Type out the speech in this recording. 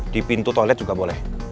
di pintu toilet juga boleh